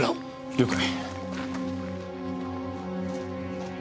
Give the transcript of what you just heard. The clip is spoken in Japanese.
了解。